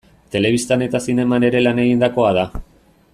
Telebistan eta zineman ere lan egindakoa da.